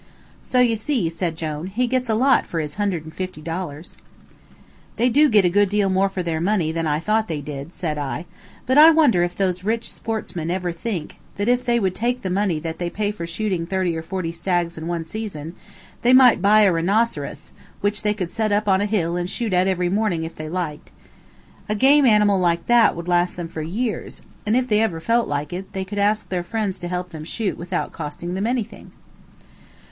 "So you see," said Jone, "he gets a lot for his hundred and fifty dollars." "They do get a good deal more for their money than I thought they did," said I; "but I wonder if those rich sportsmen ever think that if they would take the money that they pay for shooting thirty or forty stags in one season, they might buy a rhinoceros, which they could set up on a hill and shoot at every morning if they liked. A game animal like that would last them for years, and if they ever felt like it, they could ask their friends to help them shoot without costing them anything."